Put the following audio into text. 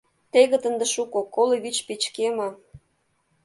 — Тегыт ынде шуко, коло вич печке ма.